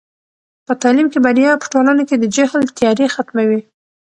په تعلیم کې بریا په ټولنه کې د جهل تیارې ختموي.